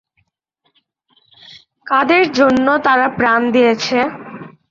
কাদের জন্য তারা প্রাণ দিয়েছে?